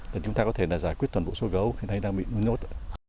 để chúng ta có thể giải quyết toàn bộ số gấu đang bị nuôi nhốt